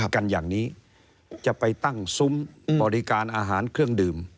กันอย่างนี้จะไปตั้งซุ้มบริการอาหารเครื่องดื่ม